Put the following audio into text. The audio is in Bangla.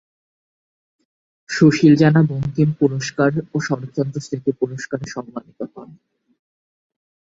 সুশীল জানা বঙ্কিম পুরস্কার, ও শরৎচন্দ্র স্মৃতি পুরস্কারে সম্মানিত হন।